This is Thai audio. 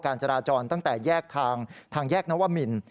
จราจรตั้งแต่แยกทางทางแยกนวมิน